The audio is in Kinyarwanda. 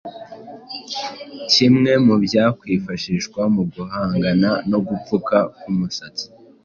Kimwe mu byakwifashishwa mu guhangana no gupfuka k’umusatsi